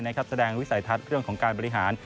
แสดงวิสัยทัศน์เรื่องของการบริหาร